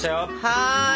はい！